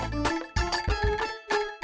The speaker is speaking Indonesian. tiket kami ya